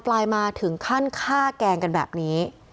ปลายมาถึงขั้นฆ่าแกล้งกันแบบนี้